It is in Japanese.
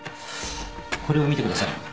これを見てください。